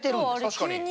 確かに。